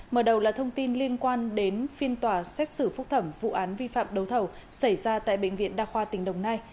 mở đầu là thông tin liên quan đến phiên tòa xét xử phúc thẩm vụ án vi phạm đấu thầu xảy ra tại bệnh viện đa khoa tỉnh đồng nai